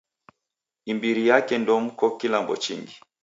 Imbiri yake ndomko kilambo chingi.